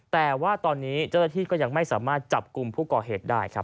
แต่ว่าตอนนี้เจ้าหน้าที่ก็ยังไม่สามารถจับกลุ่มผู้ก่อเหตุได้ครับ